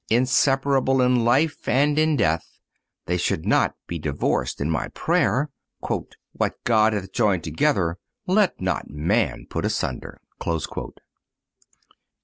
Inseparable in life and in death, they should not be divorced in my prayer. "What God hath joined together, let not man put asunder." II. Is It Lawful To Invoke Her?